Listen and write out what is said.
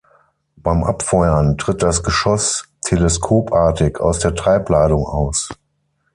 Beim Abfeuern tritt das Geschoss teleskopartig aus der Treibladung aus.